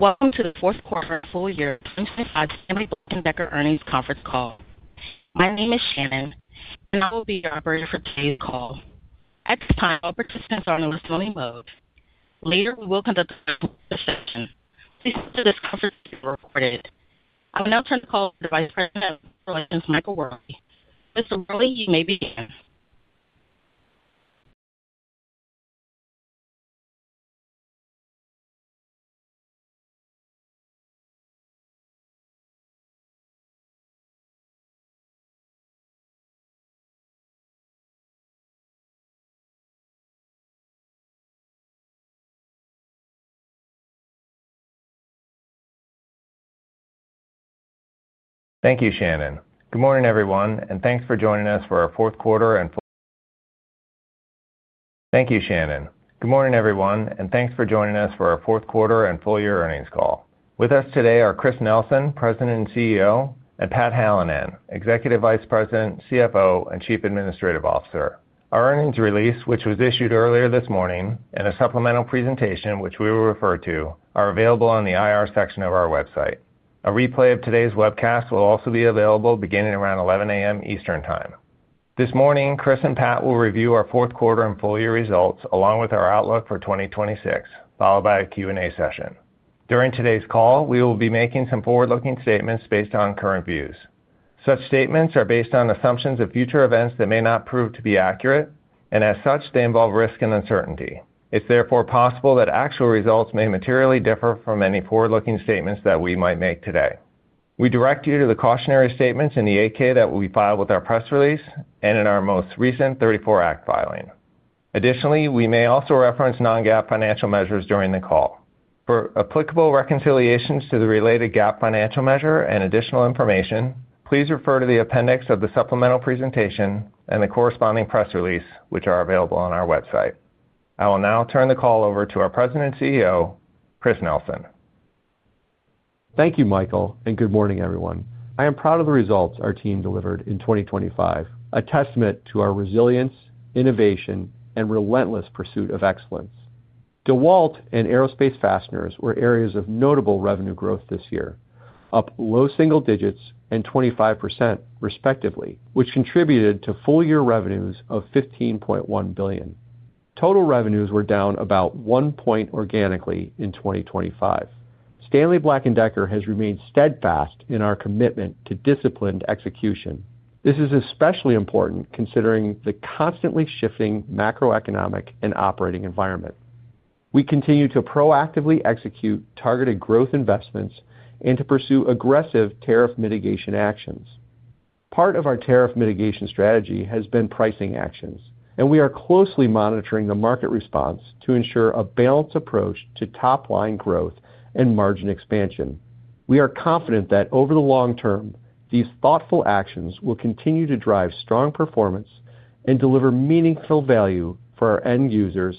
Welcome to the fourth quarter full year 2025 Stanley Black & Decker earnings conference call. My name is Shannon, and I will be your operator for today's call. At this time, all participants are on a listening mode. Later, we will conduct a session. Please note that this conference is recorded. I will now turn the call over to Vice President of Investor Relations, Michael Wherley. Mr. Wherley, you may begin. Thank you, Shannon. Good morning, everyone, and thanks for joining us for our fourth quarter and full-year earnings call. With us today are Chris Nelson, President and CEO, and Pat Hallinan, Executive Vice President, CFO, and Chief Administrative Officer. Our earnings release, which was issued earlier this morning, and a supplemental presentation, which we will refer to, are available on the IR section of our website. A replay of today's webcast will also be available beginning around 11:00 A.M. Eastern Time. This morning, Chris and Pat will review our fourth quarter and full year results, along with our outlook for 2026, followed by a Q&A session. During today's call, we will be making some forward-looking statements based on current views. Such statements are based on assumptions of future events that may not prove to be accurate, and as such, they involve risk and uncertainty. It's therefore possible that actual results may materially differ from any forward-looking statements that we might make today. We direct you to the cautionary statements in the 8-K that we filed with our press release and in our most recent 34 Act filing. Additionally, we may also reference non-GAAP financial measures during the call. For applicable reconciliations to the related GAAP financial measure and additional information, please refer to the appendix of the supplemental presentation and the corresponding press release, which are available on our website. I will now turn the call over to our President and CEO, Chris Nelson. Thank you, Michael, and good morning, everyone. I am proud of the results our team delivered in 2025, a testament to our resilience, innovation, and relentless pursuit of excellence. DeWalt and Aerospace Fasteners were areas of notable revenue growth this year, up low single digits and 25%, respectively, which contributed to full-year revenues of $15.1 billion. Total revenues were down about 1% organically in 2025. Stanley Black & Decker has remained steadfast in our commitment to disciplined execution. This is especially important considering the constantly shifting macroeconomic and operating environment. We continue to proactively execute targeted growth investments and to pursue aggressive tariff mitigation actions. Part of our tariff mitigation strategy has been pricing actions, and we are closely monitoring the market response to ensure a balanced approach to top-line growth and margin expansion. We are confident that over the long term, these thoughtful actions will continue to drive strong performance and deliver meaningful value for our end users,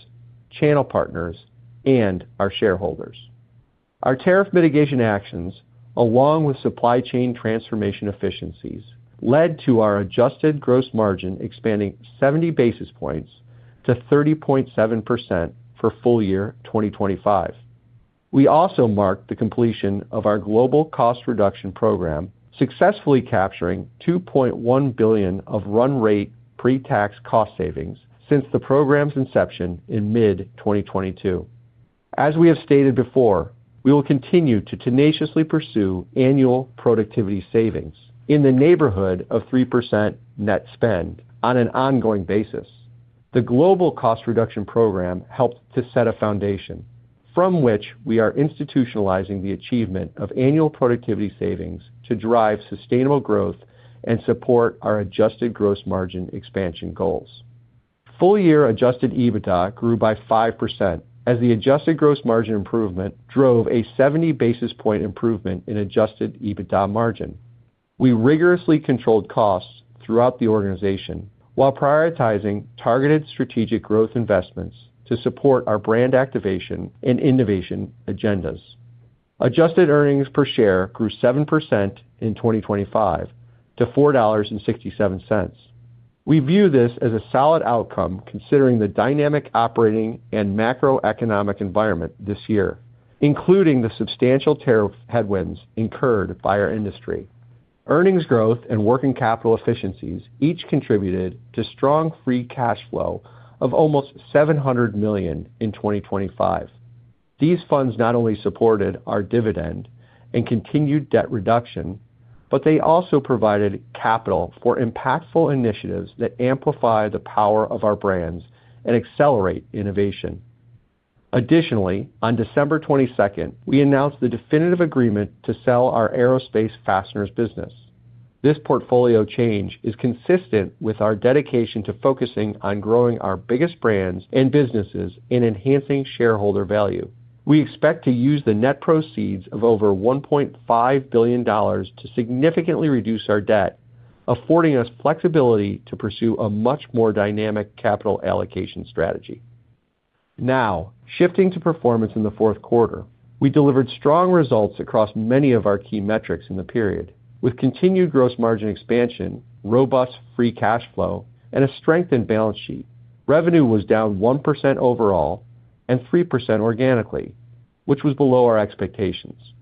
channel partners, and our shareholders. Our tariff mitigation actions, along with supply chain transformation efficiencies, led to our Adjusted Gross Margin expanding 70 basis points to 30.7% for full year 2025. We also marked the completion of our global cost reduction program, successfully capturing $2.1 billion of run rate pre-tax cost savings since the program's inception in mid-2022. As we have stated before, we will continue to tenaciously pursue annual productivity savings in the neighborhood of 3% net spend on an ongoing basis. The global cost reduction program helped to set a foundation from which we are institutionalizing the achievement of annual productivity savings to drive sustainable growth and support our Adjusted Gross Margin expansion goals. Full-year Adjusted EBITDA grew by 5% as the Adjusted Gross Margin improvement drove a 70 basis point improvement in Adjusted EBITDA margin. We rigorously controlled costs throughout the organization while prioritizing targeted strategic growth investments to support our brand activation and innovation agendas. Adjusted Earnings Per Share grew 7% in 2025 to $4.67. We view this as a solid outcome, considering the dynamic operating and macroeconomic environment this year, including the substantial tariff headwinds incurred by our industry. Earnings growth and working capital efficiencies each contributed to strong Free Cash Flow of almost $700 million in 2025. These funds not only supported our dividend and continued debt reduction, but they also provided capital for impactful initiatives that amplify the power of our brands and accelerate innovation. Additionally, on December 22nd, we announced the definitive agreement to sell our Aerospace Fasteners business. This portfolio change is consistent with our dedication to focusing on growing our biggest brands and businesses and enhancing shareholder value. We expect to use the net proceeds of over $1.5 billion to significantly reduce our debt, affording us flexibility to pursue a much more dynamic capital allocation strategy. Now, shifting to performance in the fourth quarter. We delivered strong results across many of our key metrics in the period, with continued gross margin expansion, robust free cash flow, and a strengthened balance sheet... Revenue was down 1% overall and 3% organically, which was below our expectations.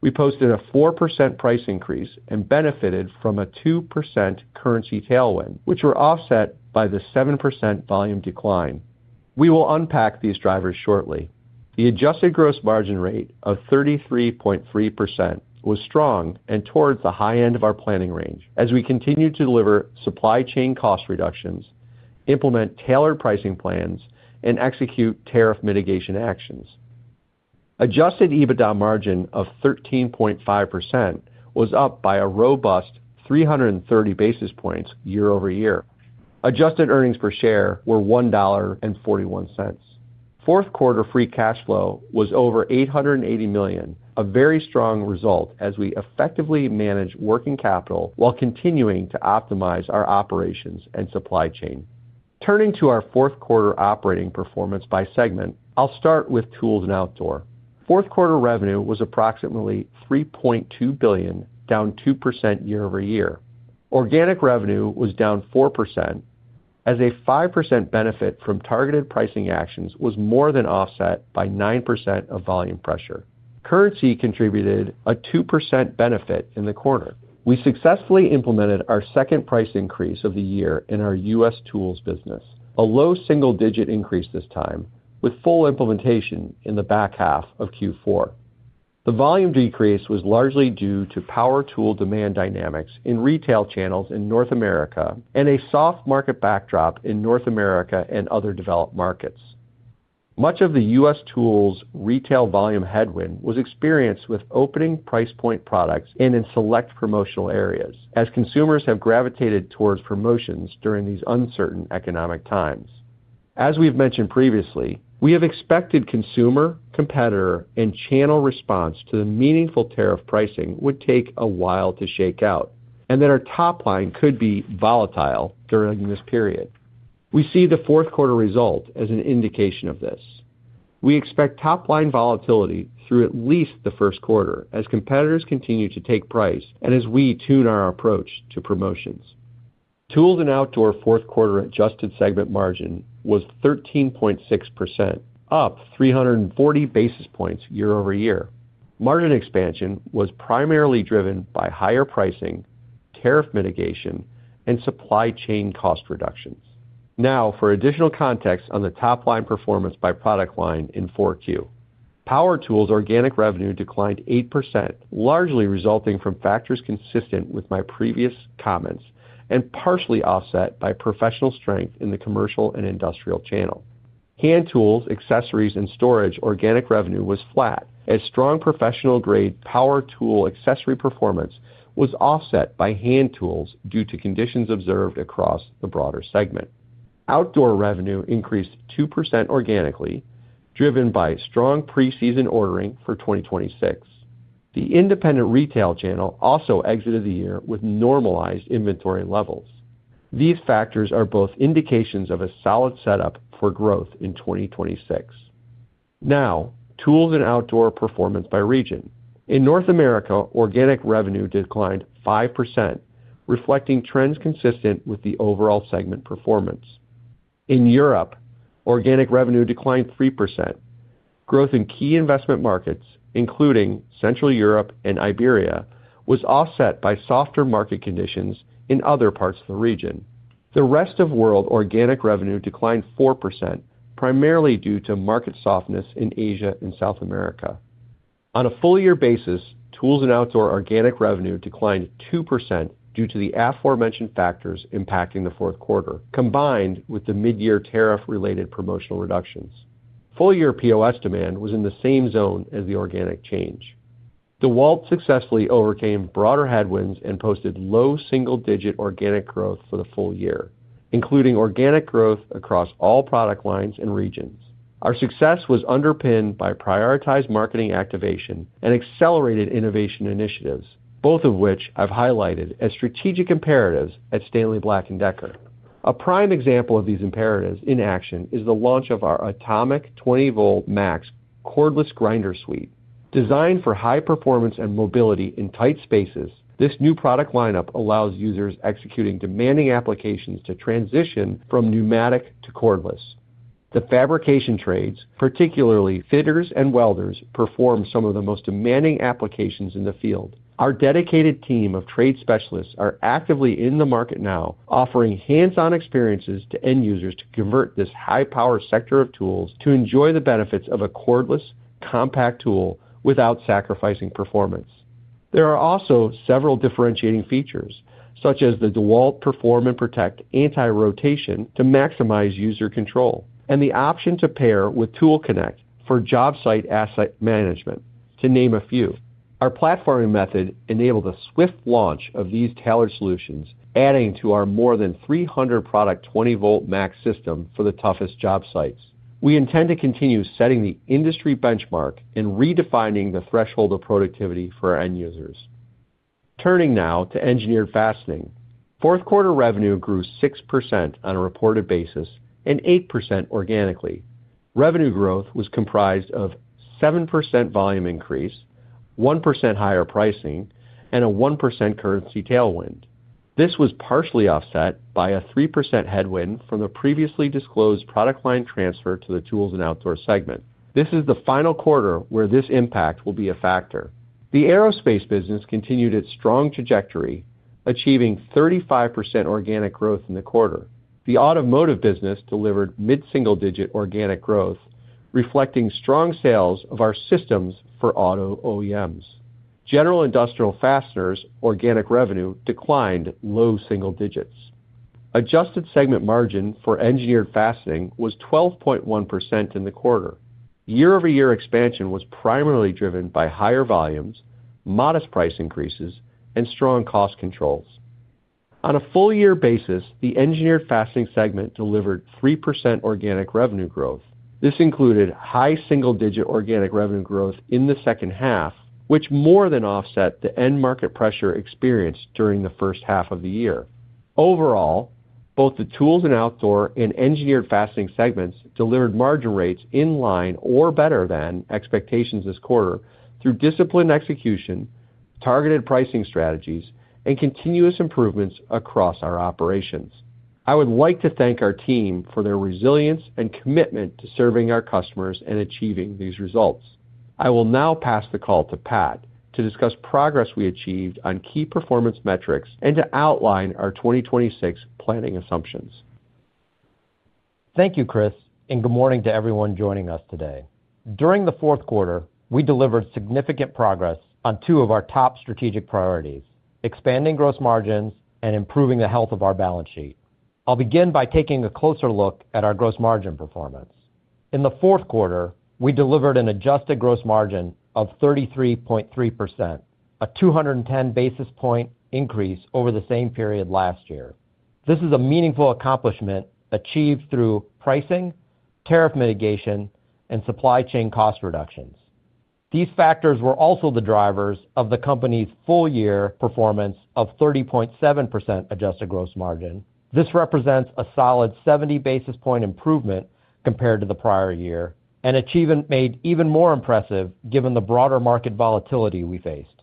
We posted a 4% price increase and benefited from a 2% currency tailwind, which were offset by the 7% volume decline. We will unpack these drivers shortly. The adjusted gross margin rate of 33.3% was strong and towards the high end of our planning range as we continued to deliver supply chain cost reductions, implement tailored pricing plans, and execute tariff mitigation actions. Adjusted EBITDA margin of 13.5% was up by a robust 330 basis points year-over-year. Adjusted earnings per share were $1.41. Fourth quarter free cash flow was over $880 million, a very strong result as we effectively manage working capital while continuing to optimize our operations and supply chain. Turning to our fourth quarter operating performance by segment, I'll start with Tools & Outdoor. Fourth quarter revenue was approximately $3.2 billion, down 2% year-over-year. Organic revenue was down 4%, as a 5% benefit from targeted pricing actions was more than offset by 9% of volume pressure. Currency contributed a 2% benefit in the quarter. We successfully implemented our second price increase of the year in our U.S. tools business, a low single-digit increase this time, with full implementation in the back half of Q4. The volume decrease was largely due to power tool demand dynamics in retail channels in North America and a soft market backdrop in North America and other developed markets. Much of the U.S. tools retail volume headwind was experienced with opening price point products and in select promotional areas, as consumers have gravitated towards promotions during these uncertain economic times. As we've mentioned previously, we have expected consumer, competitor, and channel response to the meaningful tariff pricing would take a while to shake out, and that our top line could be volatile during this period. We see the fourth quarter result as an indication of this. We expect top-line volatility through at least the first quarter as competitors continue to take price and as we tune our approach to promotions. Tools & Outdoor fourth quarter adjusted segment margin was 13.6%, up 340 basis points year-over-year. Margin expansion was primarily driven by higher pricing, tariff mitigation, and supply chain cost reductions. Now, for additional context on the top-line performance by product line in 4Q. Power Tools organic revenue declined 8%, largely resulting from factors consistent with my previous comments, and partially offset by professional strength in the commercial and industrial channel. Hand Tools, Accessories & Storage organic revenue was flat, as strong professional-grade power tool accessory performance was offset by hand tools due to conditions observed across the broader segment. Outdoor revenue increased 2% organically, driven by strong preseason ordering for 2026. The independent retail channel also exited the year with normalized inventory levels. These factors are both indications of a solid setup for growth in 2026. Now, Tools & Outdoor performance by region. In North America, organic revenue declined 5%, reflecting trends consistent with the overall segment performance. In Europe, organic revenue declined 3%. Growth in key investment markets, including Central Europe and Iberia, was offset by softer market conditions in other parts of the region. The rest of world organic revenue declined 4%, primarily due to market softness in Asia and South America. On a full year basis, Tools & Outdoor organic revenue declined 2% due to the aforementioned factors impacting the fourth quarter, combined with the mid-year tariff-related promotional reductions. Full-year POS demand was in the same zone as the organic change. DeWalt successfully overcame broader headwinds and posted low single-digit organic growth for the full year, including organic growth across all product lines and regions. Our success was underpinned by prioritized marketing activation and accelerated innovation initiatives, both of which I've highlighted as strategic imperatives at Stanley Black & Decker. A prime example of these imperatives in action is the launch of our ATOMIC 20V MAX cordless grinder suite. Designed for high performance and mobility in tight spaces, this new product lineup allows users executing demanding applications to transition from pneumatic to cordless. The fabrication trades, particularly fitters and welders, perform some of the most demanding applications in the field. Our dedicated team of trade specialists are actively in the market now, offering hands-on experiences to end users to convert this high-power sector of tools to enjoy the benefits of a cordless, compact tool without sacrificing performance. There are also several differentiating features, such as the DeWalt Perform & Protect anti-rotation to maximize user control, and the option to pair with Tool Connect for job site asset management, to name a few. Our platforming method enabled a swift launch of these tailored solutions, adding to our more than 300-product 20V MAX system for the toughest job sites. We intend to continue setting the industry benchmark and redefining the threshold of productivity for our end users. Turning now to Engineered Fastening. Fourth quarter revenue grew 6% on a reported basis and 8% organically. Revenue growth was comprised of 7% volume increase, 1% higher pricing, and a 1% currency tailwind. This was partially offset by a 3% headwind from the previously disclosed product line transfer to the Tools & Outdoor segment. This is the final quarter where this impact will be a factor. The aerospace business continued its strong trajectory, achieving 35% organic growth in the quarter. The automotive business delivered mid-single-digit organic growth, reflecting strong sales of our systems for auto OEMs. General Industrial Fasteners organic revenue declined low single digits. Adjusted segment margin for engineered fastening was 12.1% in the quarter. Year-over-year expansion was primarily driven by higher volumes, modest price increases, and strong cost controls. On a full year basis, the engineered fastening segment delivered 3% organic revenue growth. This included high single-digit organic revenue growth in the second half, which more than offset the end market pressure experienced during the first half of the year. Overall, both the Tools & Outdoor and engineered fastening segments delivered margin rates in line or better than expectations this quarter through disciplined execution, targeted pricing strategies, and continuous improvements across our operations. I would like to thank our team for their resilience and commitment to serving our customers and achieving these results. I will now pass the call to Pat to discuss progress we achieved on key performance metrics and to outline our 2026 planning assumptions. Thank you, Chris, and good morning to everyone joining us today. During the fourth quarter, we delivered significant progress on two of our top strategic priorities, expanding gross margins and improving the health of our balance sheet. I'll begin by taking a closer look at our gross margin performance. In the fourth quarter, we delivered an Adjusted Gross Margin of 33.3%, a 210 basis point increase over the same period last year. This is a meaningful accomplishment achieved through pricing, tariff mitigation, and supply chain cost reductions. These factors were also the drivers of the company's full year performance of 30.7% Adjusted Gross Margin. This represents a solid 70 basis point improvement compared to the prior year, an achievement made even more impressive given the broader market volatility we faced.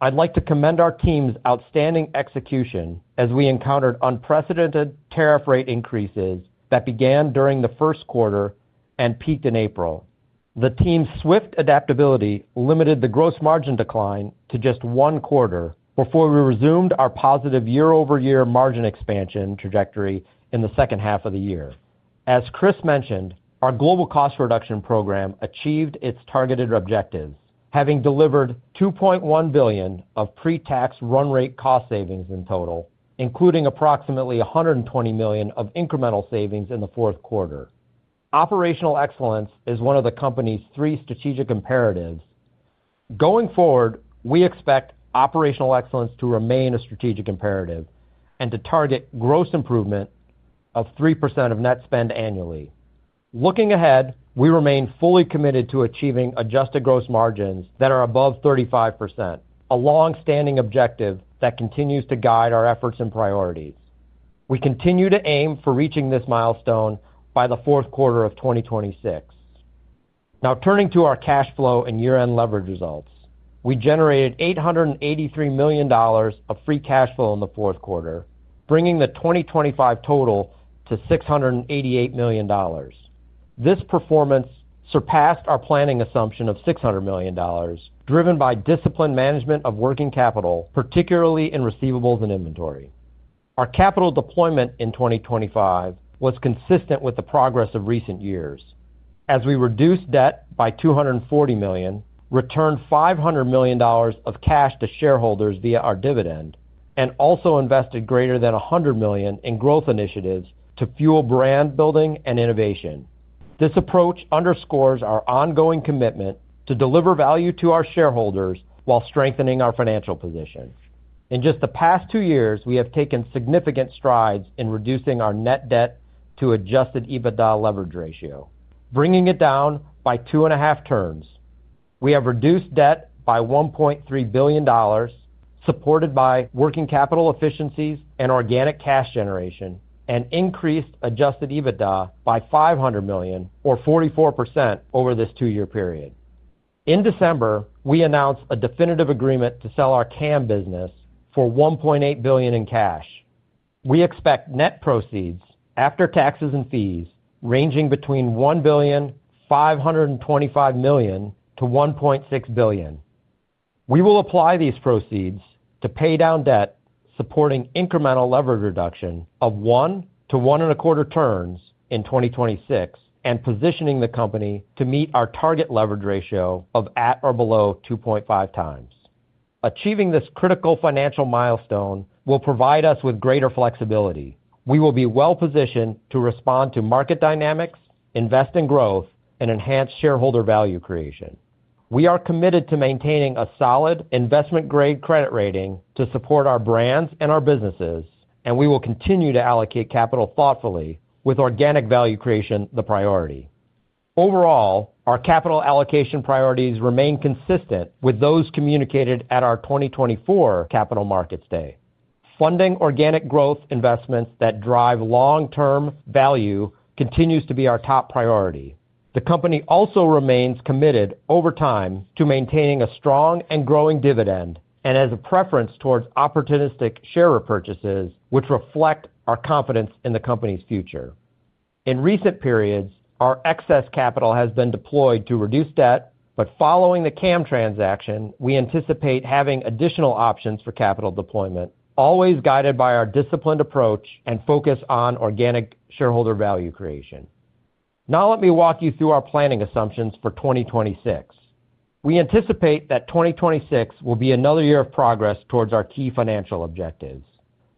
I'd like to commend our team's outstanding execution as we encountered unprecedented tariff rate increases that began during the first quarter and peaked in April. The team's swift adaptability limited the gross margin decline to just one quarter before we resumed our positive year-over-year margin expansion trajectory in the second half of the year. As Chris mentioned, our global cost reduction program achieved its targeted objectives, having delivered $2.1 billion of pre-tax run rate cost savings in total, including approximately $120 million of incremental savings in the fourth quarter. Operational excellence is one of the company's three strategic imperatives. Going forward, we expect operational excellence to remain a strategic imperative and to target gross improvement of 3% of net spend annually. Looking ahead, we remain fully committed to achieving adjusted gross margins that are above 35%, a long-standing objective that continues to guide our efforts and priorities. We continue to aim for reaching this milestone by the fourth quarter of 2026. Now, turning to our cash flow and year-end leverage results. We generated $883 million of free cash flow in the fourth quarter, bringing the 2025 total to $688 million. This performance surpassed our planning assumption of $600 million, driven by disciplined management of working capital, particularly in receivables and inventory. Our capital deployment in 2025 was consistent with the progress of recent years. As we reduced debt by $240 million, returned $500 million of cash to shareholders via our dividend, and also invested greater than $100 million in growth initiatives to fuel brand building and innovation. This approach underscores our ongoing commitment to deliver value to our shareholders while strengthening our financial position. In just the past two years, we have taken significant strides in reducing our net debt to Adjusted EBITDA leverage ratio, bringing it down by 2.5 turns. We have reduced debt by $1.3 billion, supported by working capital efficiencies and organic cash generation, and increased Adjusted EBITDA by $500 million or 44% over this two-year period. In December, we announced a definitive agreement to sell our CAM business for $1.8 billion in cash. We expect net proceeds after taxes and fees ranging between $1.525 billion-$1.6 billion. We will apply these proceeds to pay down debt, supporting incremental leverage reduction of 1-1.25 turns in 2026, and positioning the company to meet our target leverage ratio of at or below 2.5 times. Achieving this critical financial milestone will provide us with greater flexibility. We will be well-positioned to respond to market dynamics, invest in growth, and enhance shareholder value creation. We are committed to maintaining a solid investment-grade credit rating to support our brands and our businesses, and we will continue to allocate capital thoughtfully with organic value creation the priority. Overall, our capital allocation priorities remain consistent with those communicated at our 2024 Capital Markets Day. Funding organic growth investments that drive long-term value continues to be our top priority. The company also remains committed over time to maintaining a strong and growing dividend, and has a preference towards opportunistic share repurchases, which reflect our confidence in the company's future. In recent periods, our excess capital has been deployed to reduce debt, but following the CAM transaction, we anticipate having additional options for capital deployment, always guided by our disciplined approach and focus on organic shareholder value creation. Now let me walk you through our planning assumptions for 2026. We anticipate that 2026 will be another year of progress towards our key financial objectives,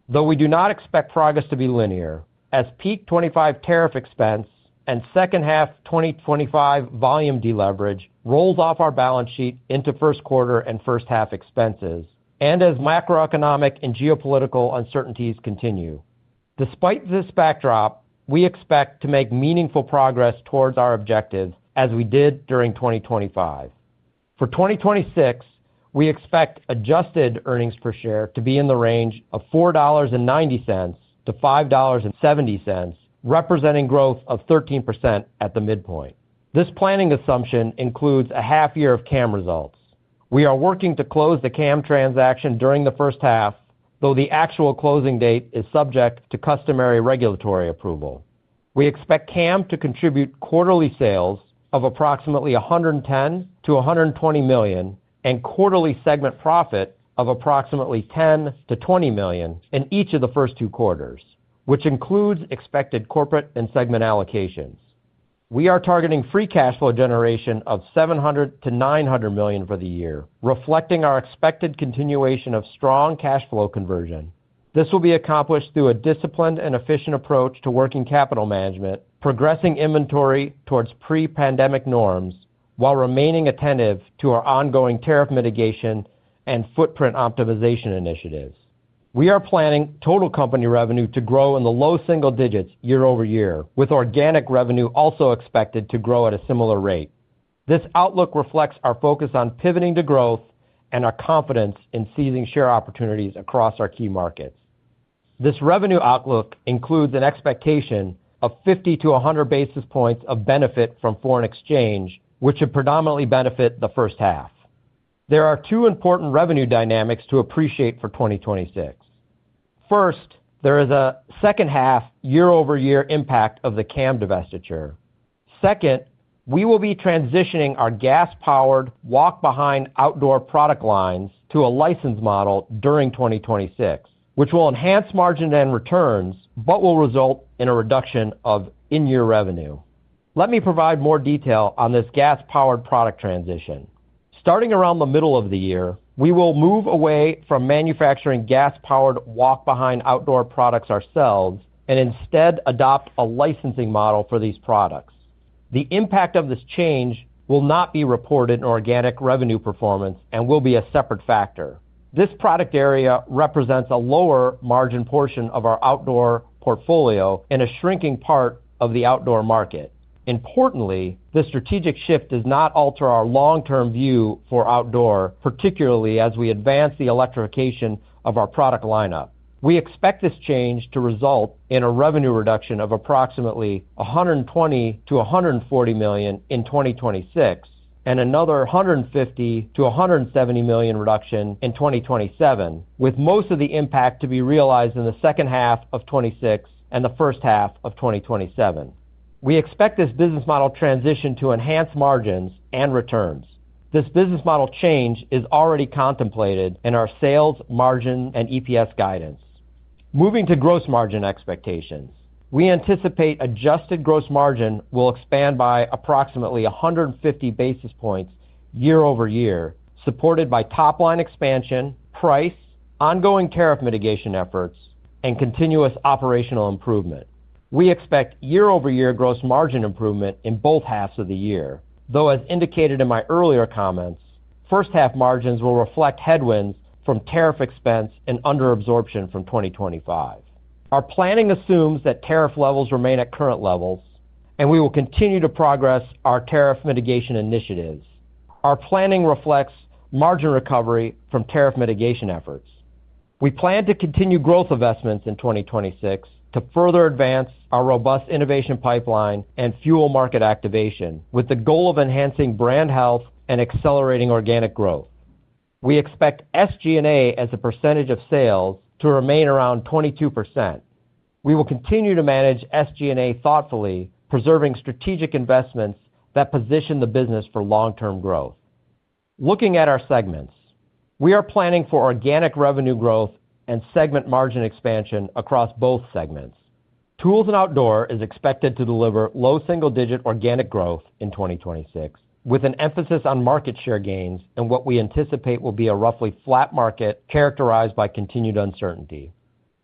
though we do not expect progress to be linear, as peak 25 tariff expense and second half 2025 volume deleverage rolls off our balance sheet into first quarter and first half expenses, and as macroeconomic and geopolitical uncertainties continue. Despite this backdrop, we expect to make meaningful progress towards our objectives, as we did during 2025. For 2026, we expect adjusted earnings per share to be in the range of $4.90-$5.70, representing growth of 13% at the midpoint. This planning assumption includes a half year of CAM results. We are working to close the CAM transaction during the first half, though the actual closing date is subject to customary regulatory approval. We expect CAM to contribute quarterly sales of approximately $110 million-$120 million, and quarterly segment profit of approximately $10 million-$20 million in each of the first two quarters, which includes expected corporate and segment allocations. We are targeting free cash flow generation of $700 million-$900 million for the year, reflecting our expected continuation of strong cash flow conversion. This will be accomplished through a disciplined and efficient approach to working capital management, progressing inventory towards pre-pandemic norms, while remaining attentive to our ongoing tariff mitigation and footprint optimization initiatives. We are planning total company revenue to grow in the low single digits year-over-year, with organic revenue also expected to grow at a similar rate. This outlook reflects our focus on pivoting to growth and our confidence in seizing share opportunities across our key markets. This revenue outlook includes an expectation of 50-100 basis points of benefit from foreign exchange, which should predominantly benefit the first half. There are two important revenue dynamics to appreciate for 2026. First, there is a second half year-over-year impact of the CAM divestiture. Second, we will be transitioning our gas-powered walk behind outdoor product lines to a license model during 2026, which will enhance margin and returns, but will result in a reduction of in-year revenue. Let me provide more detail on this gas-powered product transition. Starting around the middle of the year, we will move away from manufacturing gas-powered walk behind outdoor products ourselves, and instead adopt a licensing model for these products. The impact of this change will not be reported in organic revenue performance and will be a separate factor. This product area represents a lower margin portion of our outdoor portfolio in a shrinking part of the outdoor market. Importantly, this strategic shift does not alter our long-term view for outdoor, particularly as we advance the electrification of our product lineup. We expect this change to result in a revenue reduction of approximately $120 million-$140 million in 2026, and another $150 million-$170 million reduction in 2027, with most of the impact to be realized in the second half of 2026 and the first half of 2027. We expect this business model transition to enhance margins and returns. This business model change is already contemplated in our sales, margin, and EPS guidance. Moving to gross margin expectations. We anticipate adjusted gross margin will expand by approximately 150 basis points year-over-year, supported by top-line expansion, price, ongoing tariff mitigation efforts, and continuous operational improvement. We expect year-over-year gross margin improvement in both halves of the year, though, as indicated in my earlier comments, first half margins will reflect headwinds from tariff expense and under absorption from 2025. Our planning assumes that tariff levels remain at current levels, and we will continue to progress our tariff mitigation initiatives. Our planning reflects margin recovery from tariff mitigation efforts. We plan to continue growth investments in 2026 to further advance our robust innovation pipeline and fuel market activation, with the goal of enhancing brand health and accelerating organic growth. We expect SG&A as a percentage of sales to remain around 22%. We will continue to manage SG&A thoughtfully, preserving strategic investments that position the business for long-term growth. Looking at our segments, we are planning for organic revenue growth and segment margin expansion across both segments. Tools & Outdoor is expected to deliver low single-digit organic growth in 2026, with an emphasis on market share gains and what we anticipate will be a roughly flat market characterized by continued uncertainty.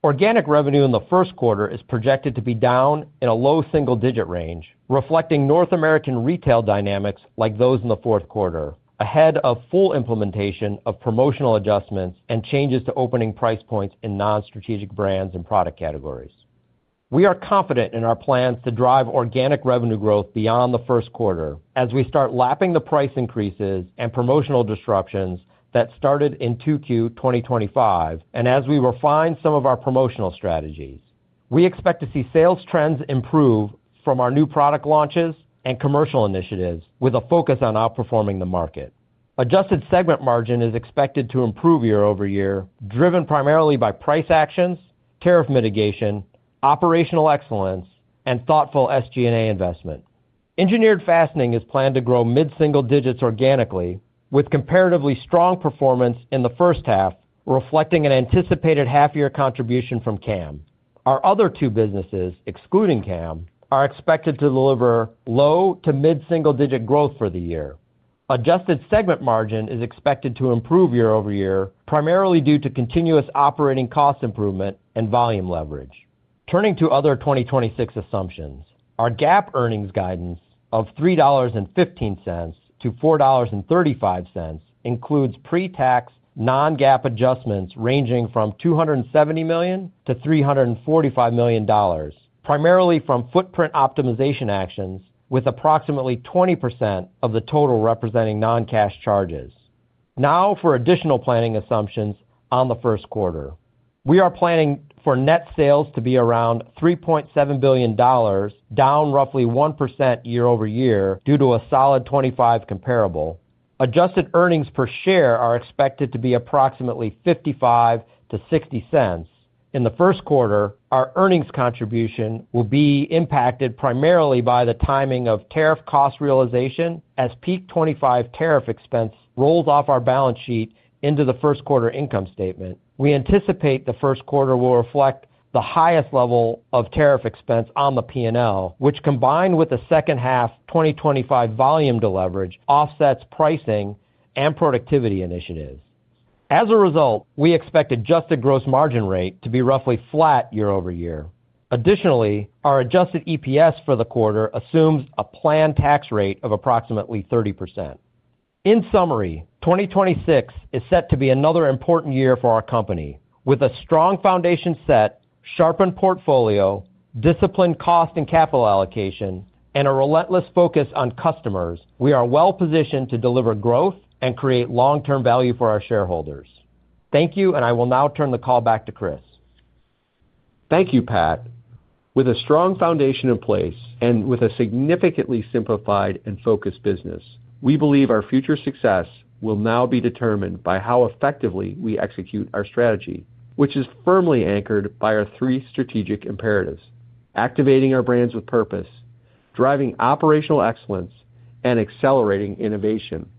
Organic revenue in the first quarter is projected to be down in a low single-digit range, reflecting North American retail dynamics like those in the fourth quarter, ahead of full implementation of promotional adjustments and changes to opening price points in non-strategic brands and product categories. We are confident in our plans to drive organic revenue growth beyond the first quarter as we start lapping the price increases and promotional disruptions that started in 2Q 2025, and as we refine some of our promotional strategies. We expect to see sales trends improve from our new product launches and commercial initiatives with a focus on outperforming the market. Adjusted Segment Margin is expected to improve year-over-year, driven primarily by price actions, tariff mitigation, operational excellence, and thoughtful SG&A investment. Engineered Fastening is planned to grow mid-single digits organically, with comparatively strong performance in the first half, reflecting an anticipated half year contribution from CAM. Our other two businesses, excluding CAM, are expected to deliver low to mid-single-digit growth for the year. Adjusted Segment Margin is expected to improve year-over-year, primarily due to continuous operating cost improvement and volume leverage. Turning to other 2026 assumptions. Our GAAP earnings guidance of $3.15-$4.35 includes pretax, non-GAAP adjustments ranging from $270 million-$345 million, primarily from footprint optimization actions, with approximately 20% of the total representing non-cash charges. Now for additional planning assumptions on the first quarter. We are planning for net sales to be around $3.7 billion, down roughly 1% year-over-year, due to a solid 2025 comparable. Adjusted earnings per share are expected to be approximately $0.55-$0.60. In the first quarter, our earnings contribution will be impacted primarily by the timing of tariff cost realization as peak 2025 tariff expense rolls off our balance sheet into the first quarter income statement. We anticipate the first quarter will reflect the highest level of tariff expense on the P&L, which, combined with the second half 2025 volume deleverage, offsets pricing and productivity initiatives. As a result, we expect adjusted gross margin rate to be roughly flat year-over-year. Additionally, our adjusted EPS for the quarter assumes a planned tax rate of approximately 30%. In summary, 2026 is set to be another important year for our company. With a strong foundation set, sharpened portfolio, disciplined cost and capital allocation, and a relentless focus on customers, we are well positioned to deliver growth and create long-term value for our shareholders. Thank you, and I will now turn the call back to Chris. Thank you, Pat. With a strong foundation in place and with a significantly simplified and focused business, we believe our future success will now be determined by how effectively we execute our strategy, which is firmly anchored by our three strategic imperatives: activating our brands with purpose, driving operational excellence, and accelerating innovation.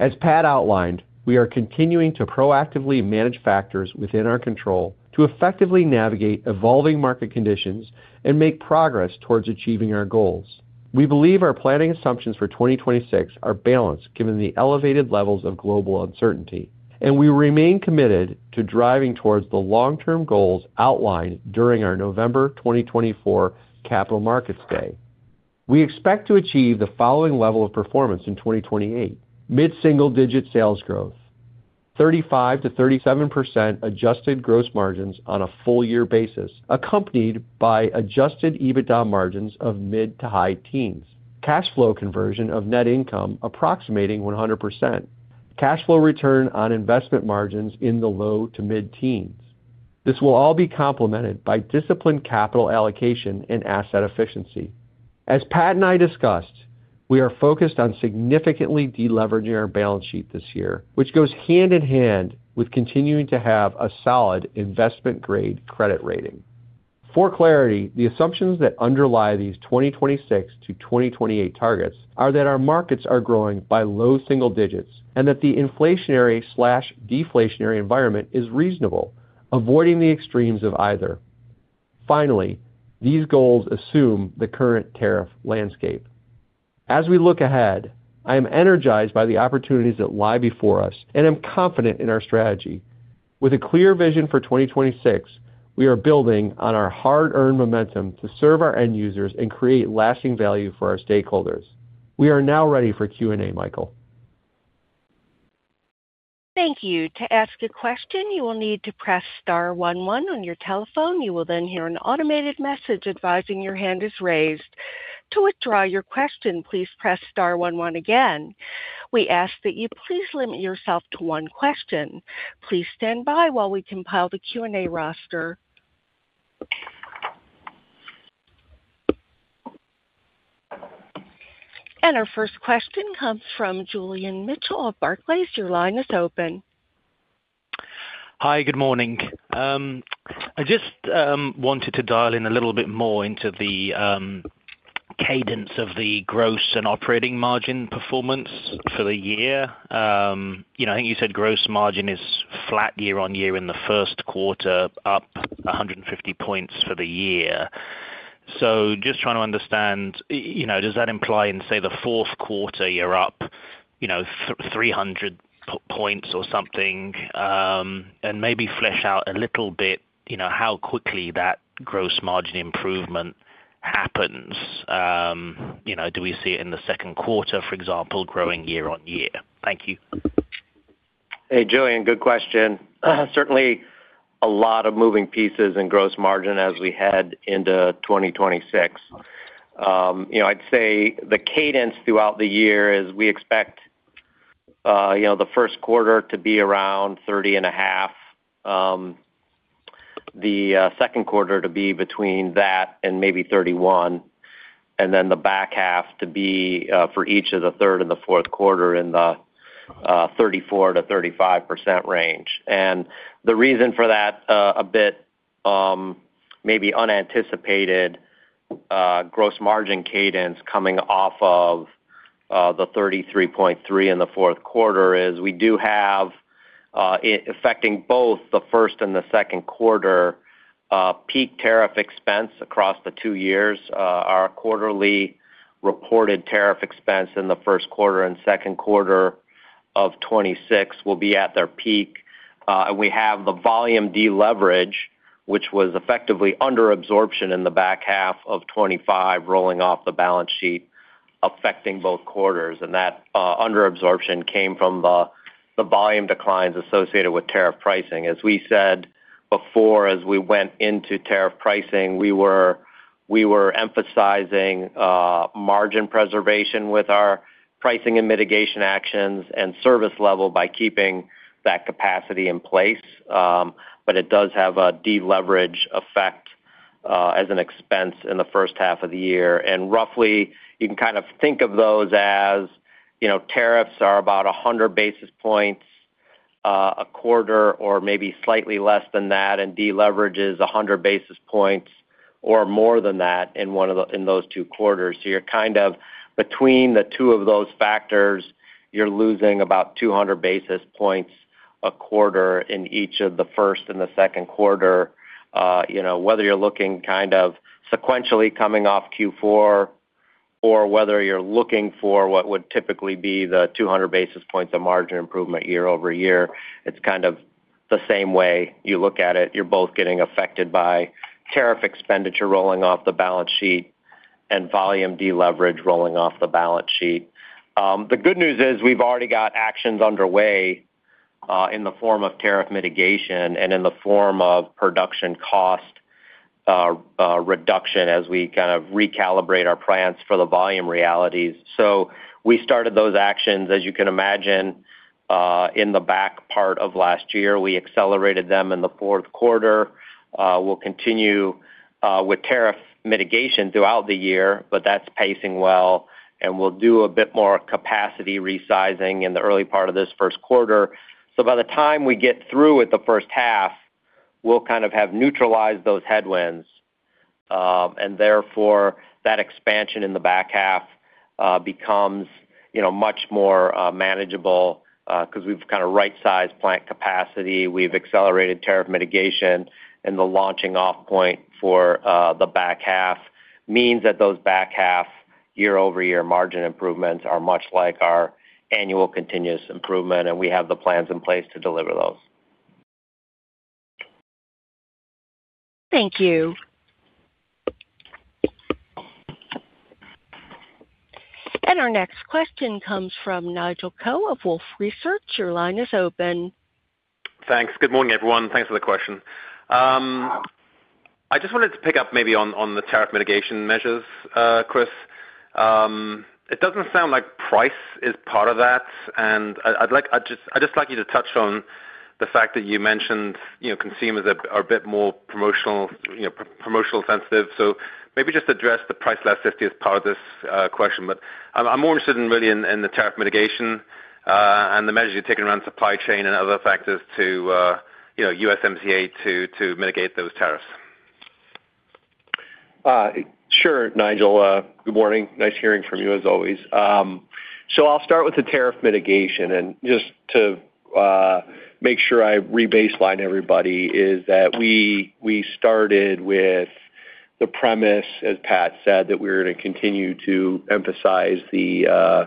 As Pat outlined, we are continuing to proactively manage factors within our control to effectively navigate evolving market conditions and make progress towards achieving our goals. We believe our planning assumptions for 2026 are balanced, given the elevated levels of global uncertainty, and we remain committed to driving towards the long-term goals outlined during our November 2024 Capital Markets Day. We expect to achieve the following level of performance in 2028: mid-single-digit sales growth, 35%-37% adjusted gross margins on a full year basis, accompanied by adjusted EBITDA margins of mid- to high-teens, cash flow conversion of net income approximating 100%, cash flow return on investment margins in the low- to mid-teens. This will all be complemented by disciplined capital allocation and asset efficiency. As Pat and I discussed, we are focused on significantly deleveraging our balance sheet this year, which goes hand in hand with continuing to have a solid investment-grade credit rating. For clarity, the assumptions that underlie these 2026-2028 targets are that our markets are growing by low single digits and that the inflationary/deflationary environment is reasonable, avoiding the extremes of either. Finally, these goals assume the current tariff landscape. As we look ahead, I am energized by the opportunities that lie before us, and I'm confident in our strategy. With a clear vision for 2026, we are building on our hard-earned momentum to serve our end users and create lasting value for our stakeholders. We are now ready for Q&A. Michael? Thank you. To ask a question, you will need to press star one one on your telephone. You will then hear an automated message advising your hand is raised. To withdraw your question, please press star one one again. We ask that you please limit yourself to one question. Please stand by while we compile the Q&A roster. Our first question comes from Julian Mitchell of Barclays. Your line is open. Hi, good morning. I just wanted to dial in a little bit more into the cadence of the gross and operating margin performance for the year. You know, I think you said gross margin is flat year-on-year in the first quarter, up 150 points for the year. So just trying to understand, you know, does that imply in, say, the fourth quarter, you're up, you know, 300 points or something? And maybe flesh out a little bit, you know, how quickly that gross margin improvement happens. You know, do we see it in the second quarter, for example, growing year-on-year? Thank you.... Hey, Julian, good question. Certainly a lot of moving pieces in gross margin as we head into 2026. You know, I'd say the cadence throughout the year is we expect, you know, the first quarter to be around 30.5, the second quarter to be between that and maybe 31, and then the back half to be, for each of the third and the fourth quarter in the 34%-35% range. And the reason for that, a bit maybe unanticipated, gross margin cadence coming off of, the 33.3 in the fourth quarter is we do have, it affecting both the first and the second quarter, peak tariff expense across the two years. Our quarterly reported tariff expense in the first quarter and second quarter of 2026 will be at their peak. We have the volume deleverage, which was effectively under absorption in the back half of 2025, rolling off the balance sheet, affecting both quarters. That under absorption came from the volume declines associated with tariff pricing. As we said before, as we went into tariff pricing, we were emphasizing margin preservation with our pricing and mitigation actions and service level by keeping that capacity in place, but it does have a deleverage effect as an expense in the first half of the year. Roughly, you can kind of think of those as, you know, tariffs are about 100 basis points a quarter or maybe slightly less than that, and deleverage is 100 basis points or more than that in one of those two quarters. So you're kind of between the two of those factors, you're losing about 200 basis points a quarter in each of the first and the second quarter. You know, whether you're looking kind of sequentially coming off Q4, or whether you're looking for what would typically be the 200 basis points of margin improvement year-over-year, it's kind of the same way you look at it. You're both getting affected by tariff expenditure rolling off the balance sheet and volume deleverage rolling off the balance sheet. The good news is, we've already got actions underway, in the form of tariff mitigation and in the form of production cost reduction as we kind of recalibrate our plans for the volume realities. So we started those actions, as you can imagine, in the back part of last year. We accelerated them in the fourth quarter. We'll continue with tariff mitigation throughout the year, but that's pacing well, and we'll do a bit more capacity resizing in the early part of this first quarter. So by the time we get through with the first half, we'll kind of have neutralized those headwinds. and therefore, that expansion in the back half becomes, you know, much more manageable, 'cause we've kind of right-sized plant capacity, we've accelerated tariff mitigation, and the launching off point for the back half means that those back half year-over-year margin improvements are much like our annual continuous improvement, and we have the plans in place to deliver those. Thank you. And our next question comes from Nigel Coe of Wolfe Research. Your line is open. Thanks. Good morning, everyone. Thanks for the question. I just wanted to pick up maybe on the tariff mitigation measures, Chris. It doesn't sound like price is part of that, and I'd, I'd like—I'd just like you to touch on the fact that you mentioned, you know, consumers are a bit more promotional, you know, promotional sensitive. So maybe just address the price elasticity as part of this question. But I'm more interested in really in the tariff mitigation, and the measures you're taking around supply chain and other factors to, you know, USMCA, to mitigate those tariffs. Sure, Nigel. Good morning. Nice hearing from you, as always. So I'll start with the tariff mitigation, and just to make sure I rebaseline everybody, is that we started with the premise, as Pat said, that we're gonna continue to emphasize the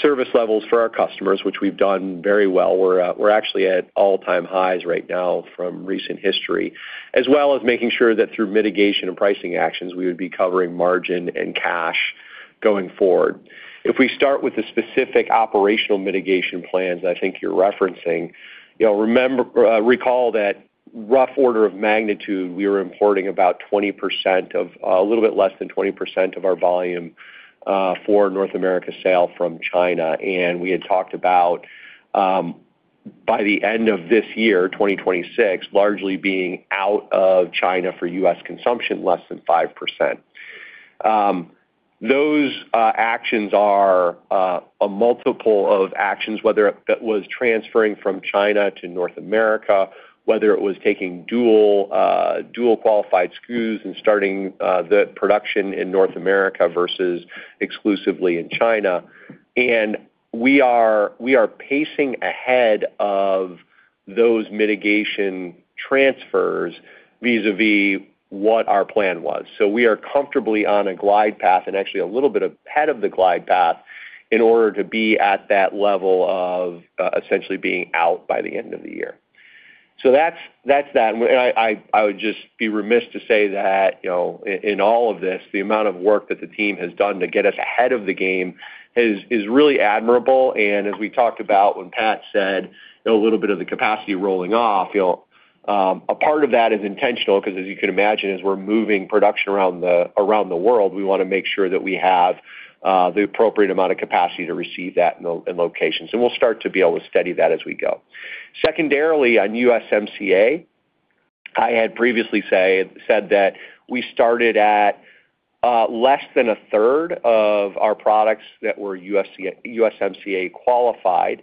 service levels for our customers, which we've done very well. We're actually at all-time highs right now from recent history, as well as making sure that through mitigation and pricing actions, we would be covering margin and cash going forward. If we start with the specific operational mitigation plans I think you're referencing, you know, remember, recall that rough order of magnitude, we were importing about 20% of a little bit less than 20% of our volume for North America sale from China. We had talked about, by the end of this year, 2026, largely being out of China for U.S. consumption, less than 5%. Those actions are a multiple of actions, whether it was transferring from China to North America, whether it was taking dual qualified SKUs and starting the production in North America versus exclusively in China. We are pacing ahead of those mitigation transfers vis-a-vis what our plan was. We are comfortably on a glide path and actually a little bit ahead of the glide path in order to be at that level of, essentially being out by the end of the year.... So that's, that's that. And I, I would just be remiss to say that, you know, in all of this, the amount of work that the team has done to get us ahead of the game is, is really admirable. And as we talked about when Pat said, you know, a little bit of the capacity rolling off, you know, a part of that is intentional, because as you can imagine, as we're moving production around the, around the world, we want to make sure that we have the appropriate amount of capacity to receive that in in locations, and we'll start to be able to steady that as we go. Secondarily, on USMCA, I had previously said that we started at less than a third of our products that were USMCA qualified,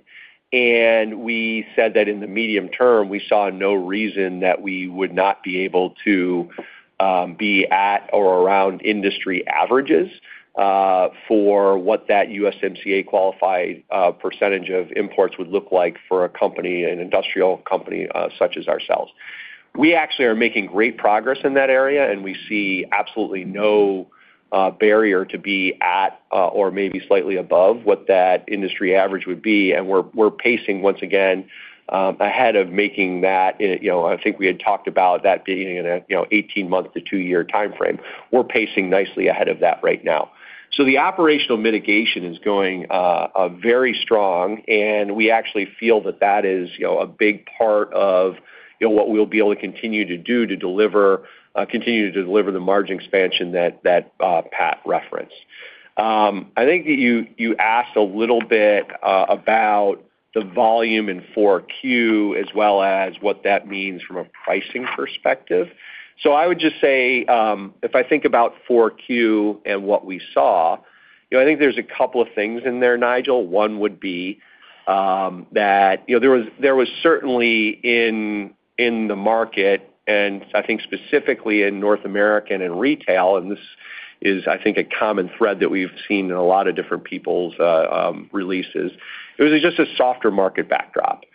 and we said that in the medium term, we saw no reason that we would not be able to be at or around industry averages for what that USMCA qualified percentage of imports would look like for a company, an industrial company such as ourselves. We actually are making great progress in that area, and we see absolutely no barrier to be at or maybe slightly above what that industry average would be. And we're pacing once again ahead of making that. You know, I think we had talked about that being in a, you know, 18-month to 2-year time frame. We're pacing nicely ahead of that right now. So the operational mitigation is going very strong, and we actually feel that that is, you know, a big part of, you know, what we'll be able to continue to do to deliver, continue to deliver the margin expansion that Pat referenced. I think that you asked a little bit about the volume in 4Q as well as what that means from a pricing perspective. So I would just say, if I think about 4Q and what we saw, you know, I think there's a couple of things in there, Nigel. One would be that, you know, there was certainly in the market, and I think specifically in North America and retail, and this is, I think, a common thread that we've seen in a lot of different people's releases. It was just a softer market backdrop.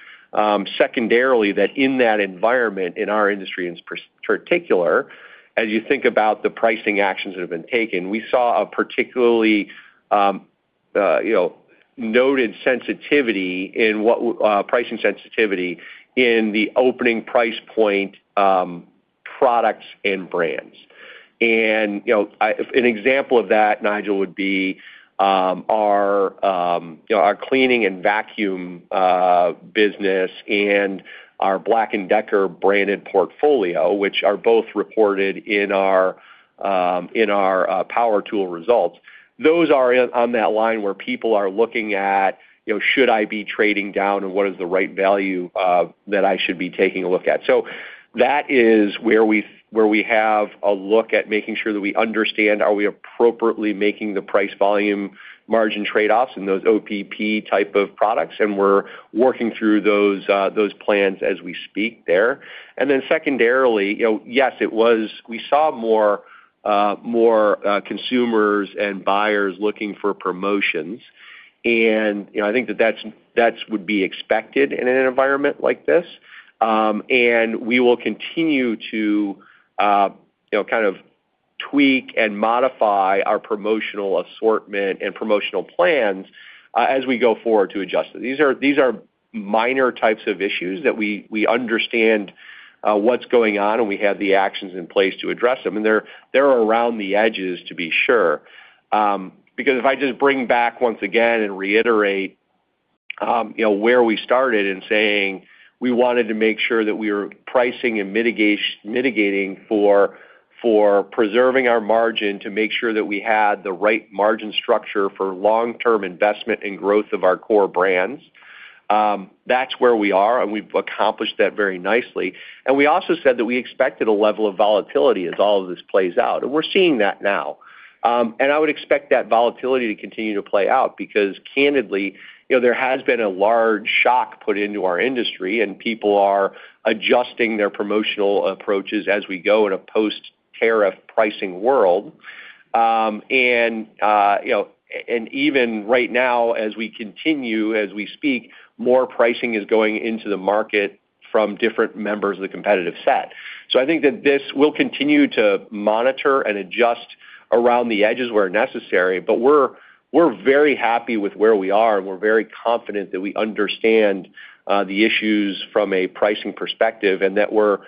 Secondarily, that in that environment, in our industry, in particular, as you think about the pricing actions that have been taken, we saw a particularly, you know, noted sensitivity in pricing sensitivity in the opening price point products and brands. You know, an example of that, Nigel, would be, you know, our cleaning and vacuum business and our Black+Decker branded portfolio, which are both reported in our power tool results. Those are on that line where people are looking at, you know, should I be trading down, and what is the right value that I should be taking a look at? So that is where we have a look at making sure that we understand, are we appropriately making the price volume margin trade-offs in those OPP type of products? And we're working through those plans as we speak there. And then secondarily, you know, yes, we saw more consumers and buyers looking for promotions. And, you know, I think that that would be expected in an environment like this. And we will continue to, you know, kind of tweak and modify our promotional assortment and promotional plans as we go forward to adjust it. These are minor types of issues that we understand what's going on, and we have the actions in place to address them, and they're around the edges, to be sure. Because if I just bring back once again and reiterate, you know, where we started in saying we wanted to make sure that we were pricing and mitigating for, for preserving our margin, to make sure that we had the right margin structure for long-term investment and growth of our core brands. That's where we are, and we've accomplished that very nicely. We also said that we expected a level of volatility as all of this plays out, and we're seeing that now. I would expect that volatility to continue to play out because candidly, you know, there has been a large shock put into our industry, and people are adjusting their promotional approaches as we go in a post-tariff pricing world. And you know, and even right now, as we continue, as we speak, more pricing is going into the market from different members of the competitive set. So I think that this, we'll continue to monitor and adjust around the edges where necessary, but we're very happy with where we are, and we're very confident that we understand the issues from a pricing perspective, and that we're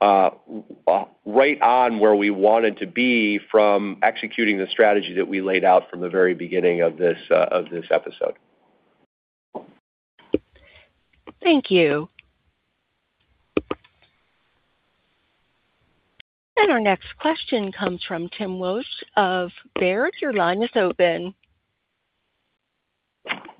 right on where we wanted to be from executing the strategy that we laid out from the very beginning of this episode. Thank you. Our next question comes from Tim Wojs of Baird. Your line is open.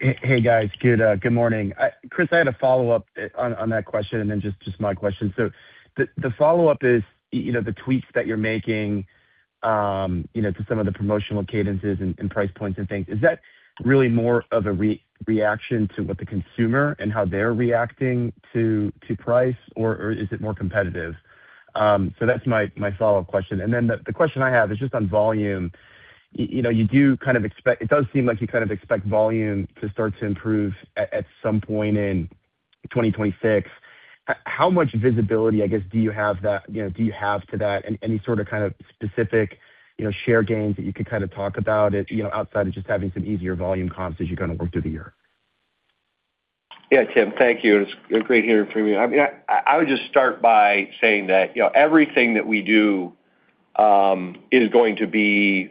Hey, guys. Good morning. Chris, I had a follow-up on that question and then just my question. So the follow-up is, you know, the tweaks that you're making, you know, to some of the promotional cadences and price points and things, is that really more of a reaction to what the consumer and how they're reacting to price, or is it more competitive? So that's my follow-up question. And then the question I have is just on volume. You know, you do kind of expect. It does seem like you kind of expect volume to start to improve at some point in 2026. How much visibility, I guess, do you have into that, you know, and any sort of, kind of specific, you know, share gains that you could kind of talk about it, you know, outside of just having some easier volume comps as you kind of work through the year? ... Yeah, Tim, thank you. It's great hearing from you. I mean, I, I would just start by saying that, you know, everything that we do, is going to be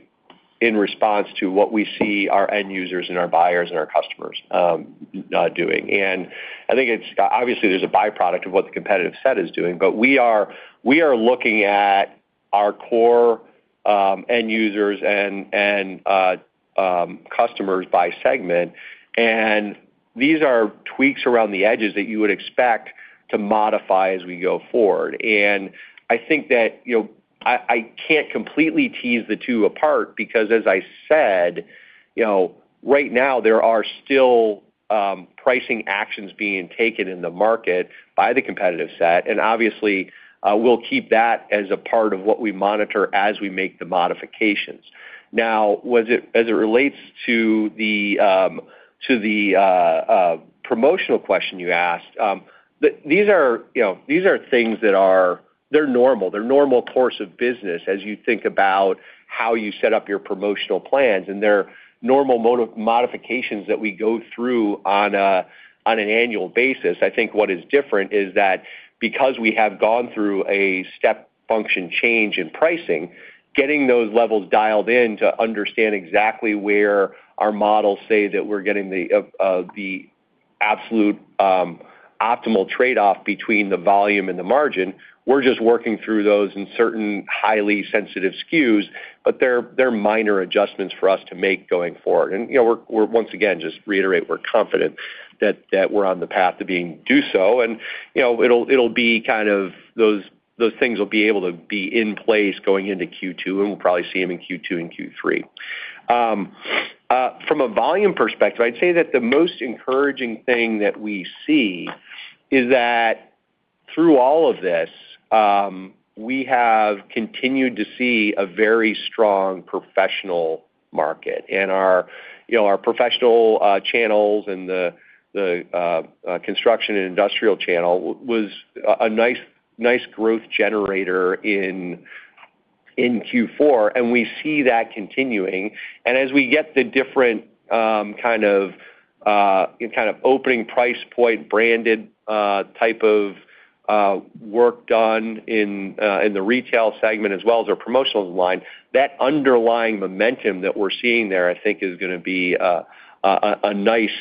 in response to what we see our end users and our buyers and our customers, doing. And I think it's obviously there's a by-product of what the competitive set is doing, but we are, we are looking at our core, end users and, customers by segment, and these are tweaks around the edges that you would expect to modify as we go forward. I think that, you know, I, I can't completely tease the two apart, because as I said, you know, right now there are still pricing actions being taken in the market by the competitive set, and obviously we'll keep that as a part of what we monitor as we make the modifications. Now, as it relates to the promotional question you asked, these are, you know, these are things that are... They're normal. They're normal course of business as you think about how you set up your promotional plans, and they're normal modifications that we go through on an annual basis. I think what is different is that because we have gone through a step function change in pricing, getting those levels dialed in to understand exactly where our models say that we're getting the absolute optimal trade-off between the volume and the margin, we're just working through those in certain highly sensitive SKUs, but they're minor adjustments for us to make going forward. And, you know, we're once again, just to reiterate, we're confident that we're on the path to being do so. And, you know, it'll be kind of those things will be able to be in place going into Q2, and we'll probably see them in Q2 and Q3. From a volume perspective, I'd say that the most encouraging thing that we see is that through all of this, we have continued to see a very strong professional market. And our, you know, our professional channels and the construction and industrial channel was a nice growth generator in Q4, and we see that continuing. And as we get the different kind of opening price point branded type of work done in the retail segment, as well as our promotional line, that underlying momentum that we're seeing there, I think, is gonna be a nice...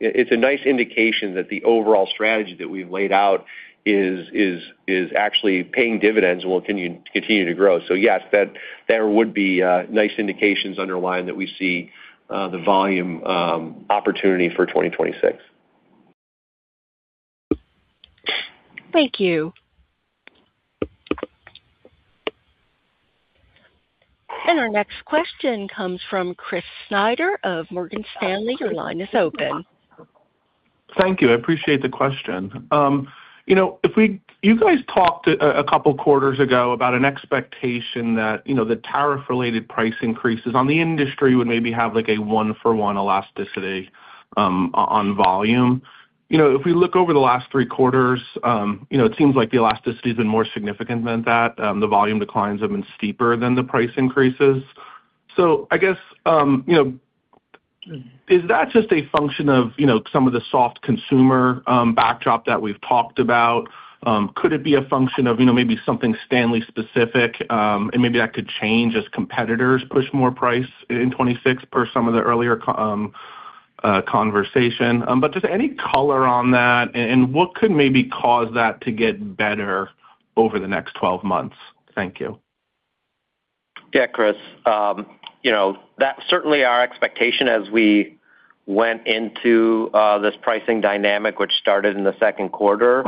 It's a nice indication that the overall strategy that we've laid out is actually paying dividends and will continue to grow. So yes, that there would be nice indications underlying that we see the volume opportunity for 2026. Thank you. Our next question comes from Chris Snyder of Morgan Stanley. Your line is open. Thank you. I appreciate the question. You know, if we—you guys talked a couple quarters ago about an expectation that, you know, the tariff-related price increases on the industry would maybe have, like, a 1-for-1 elasticity on volume. You know, if we look over the last 3 quarters, you know, it seems like the elasticity has been more significant than that. The volume declines have been steeper than the price increases. So I guess, you know, is that just a function of, you know, some of the soft consumer backdrop that we've talked about? Could it be a function of, you know, maybe something Stanley specific, and maybe that could change as competitors push more price in 2026 per some of the earlier conversation? But just any color on that, and what could maybe cause that to get better over the next 12 months? Thank you. Yeah, Chris. You know, that's certainly our expectation as we went into this pricing dynamic, which started in the second quarter.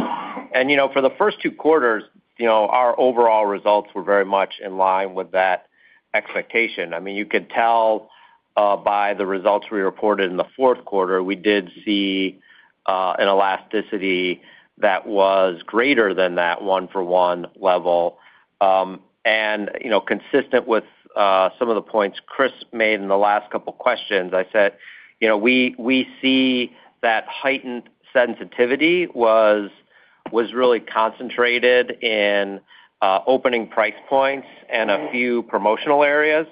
And you know, for the first two quarters, you know, our overall results were very much in line with that expectation. I mean, you could tell by the results we reported in the fourth quarter, we did see an elasticity that was greater than that one-for-one level. And you know, consistent with some of the points Chris made in the last couple questions, I said, you know, we see that heightened sensitivity was really concentrated in opening price points and a few promotional areas.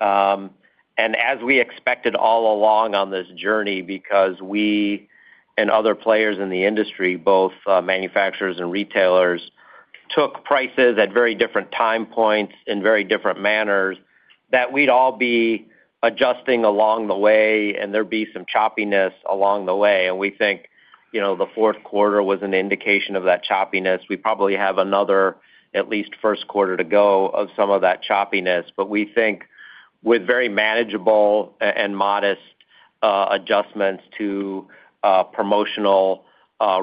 And as we expected all along on this journey, because we and other players in the industry, both manufacturers and retailers, took prices at very different time points in very different manners, that we'd all be adjusting along the way, and there'd be some choppiness along the way. We think, you know, the fourth quarter was an indication of that choppiness. We probably have another at least first quarter to go of some of that choppiness. We think with very manageable and modest adjustments to promotional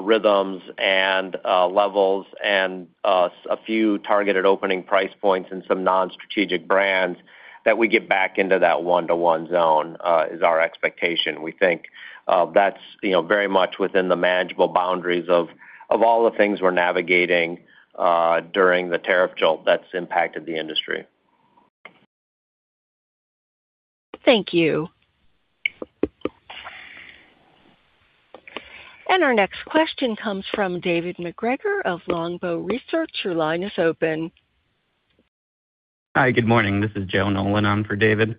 rhythms and levels and a few targeted opening price points and some non-strategic brands, that we get back into that one-to-one zone is our expectation. We think that's, you know, very much within the manageable boundaries of all the things we're navigating during the tariff jolt that's impacted the industry. Thank you. Our next question comes from David MacGregor of Longbow Research. Your line is open.... Hi, good morning. This is Joe Nolan on for David.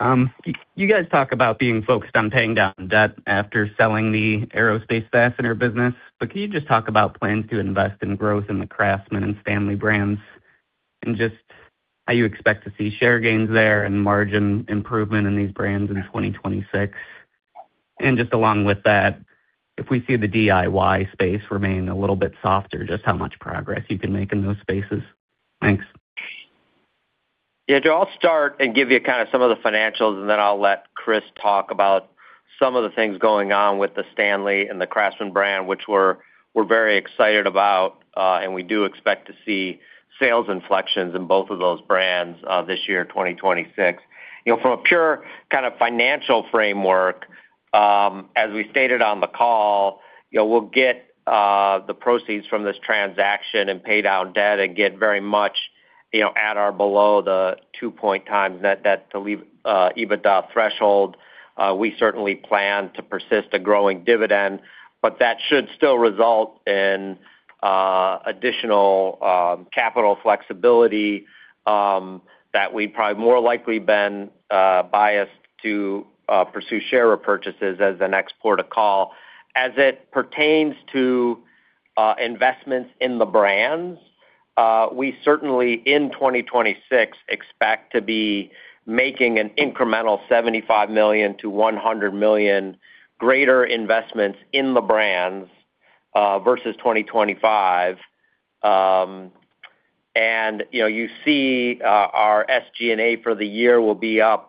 You guys talk about being focused on paying down debt after selling the aerospace fastener business, but can you just talk about plans to invest in growth in the Craftsman and Stanley brands, and just how you expect to see share gains there and margin improvement in these brands in 2026? Just along with that, if we see the DIY space remaining a little bit softer, just how much progress you can make in those spaces? Thanks. Yeah, Joe, I'll start and give you kind of some of the financials, and then I'll let Chris talk about some of the things going on with the Stanley and the Craftsman brand, which we're very excited about, and we do expect to see sales inflections in both of those brands, this year, 2026. You know, from a pure kind of financial framework, as we stated on the call, you know, we'll get the proceeds from this transaction and pay down debt and get very much, you know, at or below the 2x net debt to LTM EBITDA threshold. We certainly plan to persist a growing dividend, but that should still result in additional capital flexibility that we'd probably more likely been biased to pursue share repurchases as the next port of call. As it pertains to investments in the brands, we certainly, in 2026, expect to be making an incremental $75 million-$100 million greater investments in the brands versus 2025. And, you know, you see our SG&A for the year will be up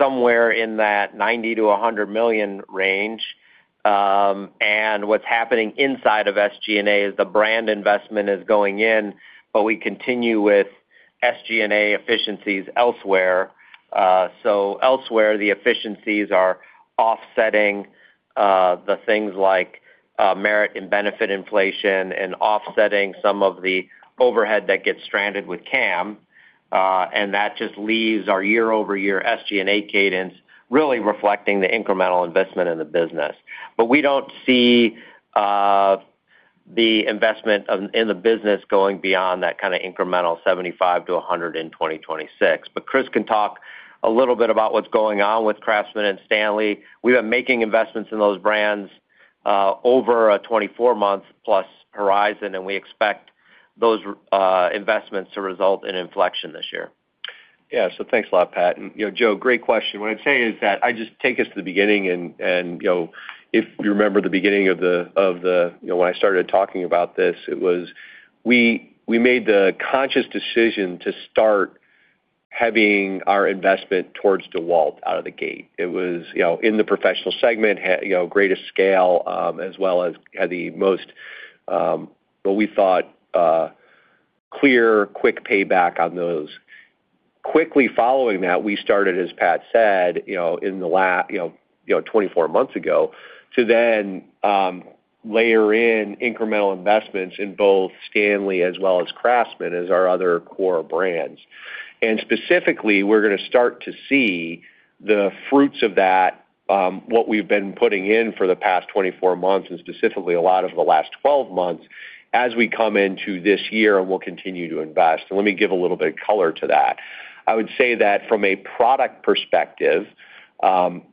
somewhere in that $90 million-$100 million range. And what's happening inside of SG&A is the brand investment is going in, but we continue with SG&A efficiencies elsewhere. So elsewhere, the efficiencies are offsetting the things like merit and benefit inflation and offsetting some of the overhead that gets stranded with CAM. And that just leaves our year-over-year SG&A cadence really reflecting the incremental investment in the business. But we don't see the investment in the business going beyond that kind of incremental $75 million-$100 million in 2026. Chris can talk a little bit about what's going on with Craftsman and Stanley. We've been making investments in those brands over a 24-month-plus horizon, and we expect those investments to result in inflection this year. Yeah. So thanks a lot, Pat, and, you know, Joe, great question. What I'd say is that I just take us to the beginning and, you know, if you remember the beginning of the, you know, when I started talking about this, it was we made the conscious decision to start heavying our investment towards DeWalt out of the gate. It was, you know, in the professional segment, you know, greatest scale, as well as had the most, what we thought, clear, quick payback on those. Quickly following that, we started, as Pat said, you know, you know, 24 months ago, to then, layer in incremental investments in both Stanley as well as Craftsman as our other core brands. And specifically, we're gonna start to see the fruits of that, what we've been putting in for the past 24 months, and specifically a lot of the last 12 months, as we come into this year and we'll continue to invest. So let me give a little bit of color to that. I would say that from a product perspective,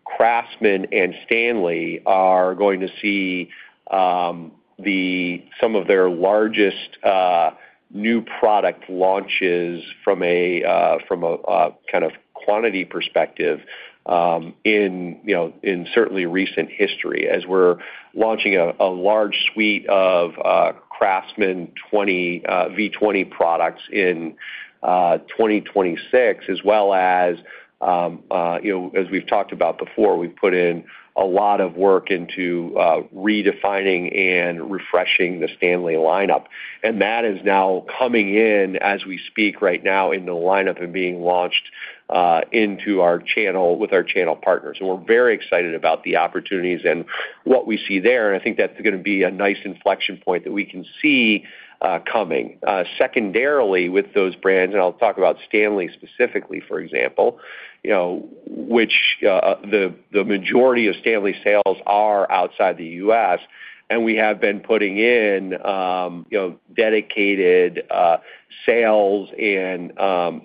Craftsman and Stanley are going to see some of their largest new product launches from a kind of quantity perspective, in, you know, in certainly recent history, as we're launching a large suite of Craftsman V20 products in 2026, as well as, you know, as we've talked about before, we've put in a lot of work into redefining and refreshing the Stanley lineup. That is now coming in as we speak right now in the lineup and being launched into our channel with our channel partners. We're very excited about the opportunities and what we see there, and I think that's gonna be a nice inflection point that we can see coming. Secondarily, with those brands, and I'll talk about Stanley specifically, for example, you know, which the majority of Stanley sales are outside the U.S., and we have been putting in, you know, dedicated sales and,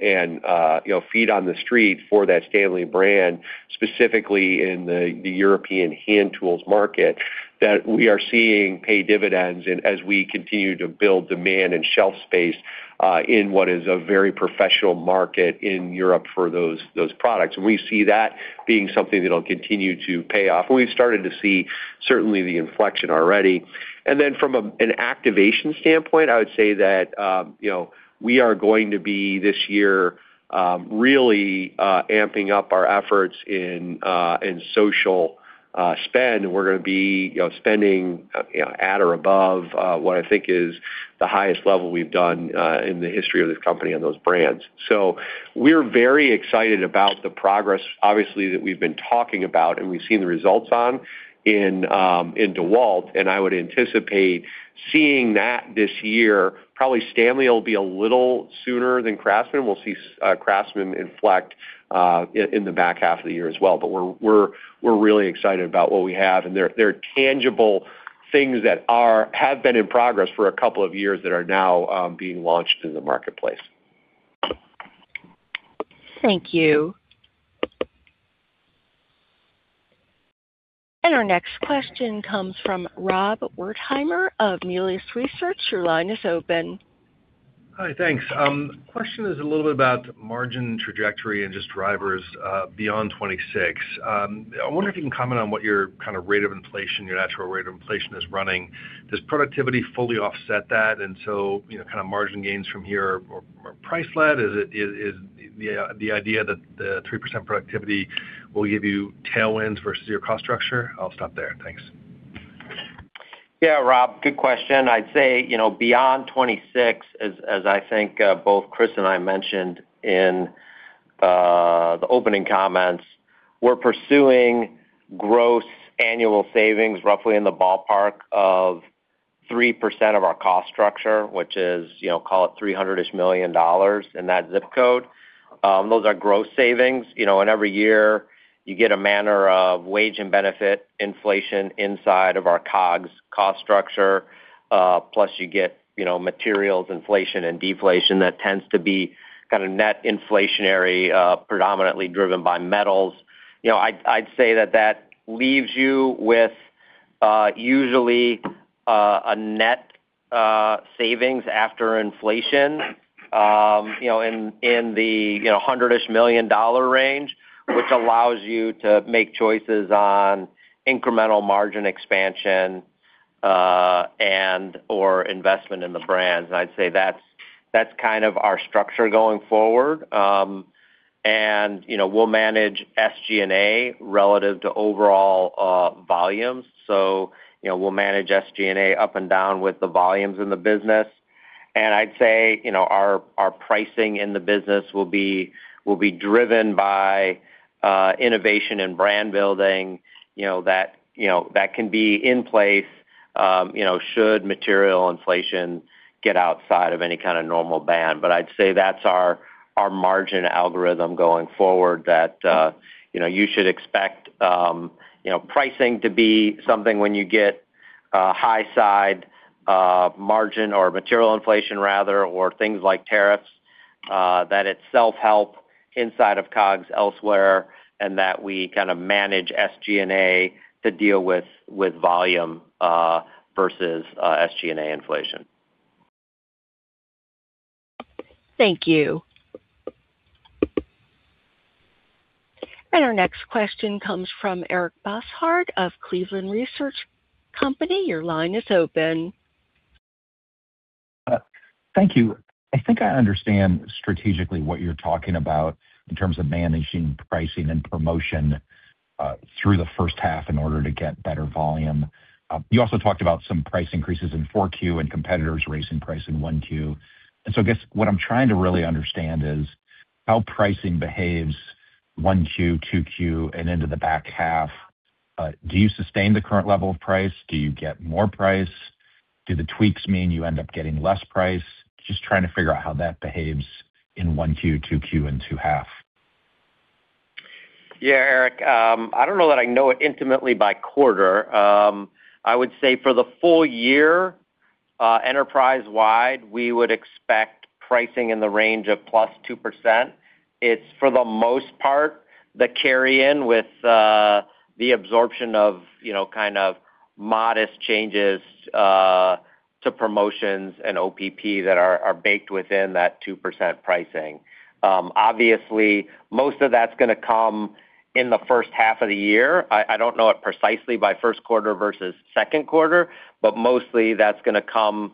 you know, feet on the street for that Stanley brand, specifically in the European hand tools market, that we are seeing pay dividends and as we continue to build demand and shelf space in what is a very professional market in Europe for those products. We see that being something that'll continue to pay off, and we've started to see certainly the inflection already. Then from an activation standpoint, I would say that, you know, we are going to be this year really amping up our efforts in in social spend. We're gonna be, you know, spending you know at or above what I think is the highest level we've done in the history of this company on those brands. So we're very excited about the progress, obviously, that we've been talking about and we've seen the results in DeWalt, and I would anticipate seeing that this year. Probably Stanley will be a little sooner than Craftsman. We'll see Craftsman inflect in the back half of the year as well. But we're really excited about what we have, and there are tangible...... things that have been in progress for a couple of years that are now being launched in the marketplace. Thank you. Our next question comes from Rob Wertheimer of Melius Research. Your line is open. Hi, thanks. Question is a little bit about margin trajectory and just drivers beyond 2026. I wonder if you can comment on what your kind of rate of inflation, your natural rate of inflation is running. Does productivity fully offset that, and so, you know, kind of margin gains from here are more price-led? Is it the idea that the 3% productivity will give you tailwinds versus your cost structure? I'll stop there. Thanks. Yeah, Rob, good question. I'd say, you know, beyond 26, as I think both Chris and I mentioned in the opening comments, we're pursuing gross annual savings roughly in the ballpark of 3% of our cost structure, which is, you know, call it $300-ish million in that ZIP code. Those are gross savings, you know, and every year, you get a manner of wage and benefit inflation inside of our COGS cost structure, plus you get, you know, materials, inflation and deflation, that tends to be kind of net inflationary, predominantly driven by metals. You know, I'd, I'd say that that leaves you with, usually, a net savings after inflation, you know, in, in the, you know, $100-ish million range, which allows you to make choices on incremental margin expansion, and or investment in the brands. And I'd say that's, that's kind of our structure going forward. And, you know, we'll manage SG&A relative to overall, volumes. So, you know, we'll manage SG&A up and down with the volumes in the business. And I'd say, you know, our, our pricing in the business will be, will be driven by, innovation and brand building, you know, that, you know, that can be in place, you know, should material inflation get outside of any kind of normal band. But I'd say that's our, our margin algorithm going forward, that, you know, you should expect, you know, pricing to be something when you get, high side, margin or material inflation rather, or things like tariffs, that it's self-help inside of COGS elsewhere, and that we kind of manage SG&A to deal with, with volume, versus, SG&A inflation. Thank you. And our next question comes from Eric Bosshard of Cleveland Research Company. Your line is open. Thank you. I think I understand strategically what you're talking about in terms of managing pricing and promotion through the first half in order to get better volume. You also talked about some price increases in 4Q and competitors raising price in 1Q. And so I guess what I'm trying to really understand is, how pricing behaves 1Q, 2Q, and into the back half. Do you sustain the current level of price? Do you get more price? Do the tweaks mean you end up getting less price? Just trying to figure out how that behaves in 1Q, 2Q, and back half. Yeah, Eric, I don't know that I know it intimately by quarter. I would say for the full year, enterprise-wide, we would expect pricing in the range of +2%. It's, for the most part, the carry-in with the absorption of, you know, kind of modest changes to promotions and OPP that are baked within that 2% pricing. Obviously, most of that's gonna come in the first half of the year. I don't know it precisely by first quarter versus second quarter, but mostly that's gonna come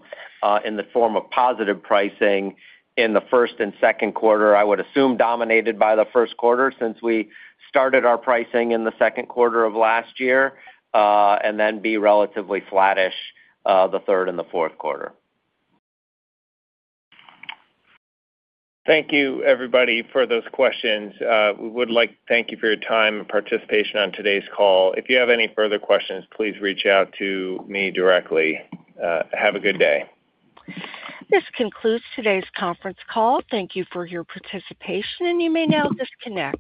in the form of positive pricing in the first and second quarter. I would assume dominated by the first quarter, since we started our pricing in the second quarter of last year, and then be relatively flattish the third and the fourth quarter. Thank you, everybody, for those questions. We would like to thank you for your time and participation on today's call. If you have any further questions, please reach out to me directly. Have a good day. This concludes today's conference call. Thank you for your participation, and you may now disconnect.